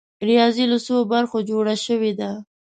ریاضي له څو برخو جوړه شوې ده؟